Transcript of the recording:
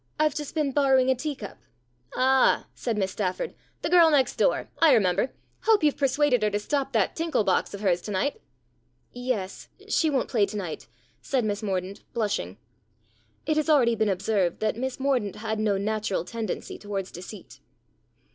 I've just been borrowing a tea cup." "Ah!" said Miss Stafford. "The girl next door. I remember. Hope you've persuaded her to stop that tinkle box of hers to night." "Yes, she won't play to night," said Miss Mordaunt, blushing. It has already been observed that Miss Mordaunt had no natural tendency towards deceit.